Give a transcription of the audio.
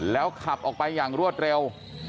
แล้วขับออกไปอย่างรวดเร็ว